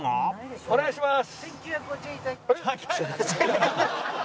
お願いします！